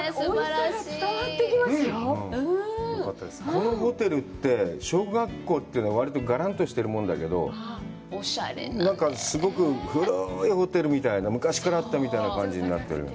このホテルって、小学校というのは割とガランとしてるものだけど、なんかすごく古いホテルみたいな、昔からあったみたいな感じになってる。